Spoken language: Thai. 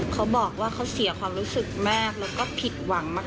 เขาบอกว่าเขาเสียความรู้สึกมากแล้วก็ผิดหวังมาก